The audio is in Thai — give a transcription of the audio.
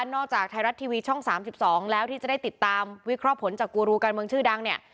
จากไทยรัฐทีวีช่อง๓๒แล้วที่จะได้ติดตามวิเคราะห์ผลจากกูรูการเมืองชื่อดังเนี่ย